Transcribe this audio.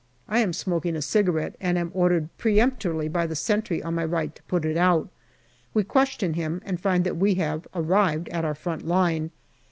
I am smoking a cigarette, and am ordered peremptorily by the sentry on my right to put it out. We question him, and find that we have arrived at our front line.